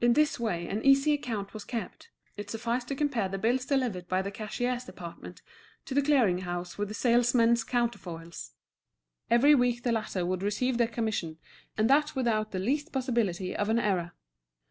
In this way an easy account was kept, it sufficed to compare the bills delivered by the cashier's department to the clearing house with the salesmen's counterfoils. Every week the latter would receive their commission, and that without the least possibility of any error.